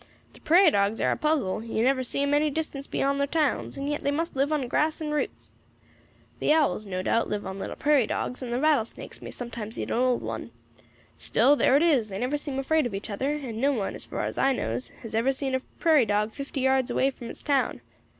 The prairie dogs air a puzzle; you never see 'em any distance beyond thar towns, and yet they must live on grass and roots. The owls, no doubt, live on little prairie dogs, and the rattlesnakes may sometimes eat an old one. Still, there it is; they never seem afraid of each other, and no one, as far as I knows, has ever seen a prairie dog fifty yards away from his town.